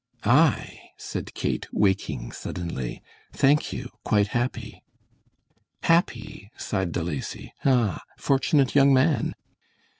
"I," said Kate, waking suddenly, "thank you, quite happy." "Happy," sighed De Lacy. "Ah, fortunate young man!"